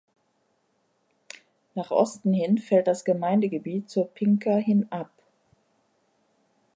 Nach Osten hin fällt das Gemeindegebiet zur Pinka hin ab.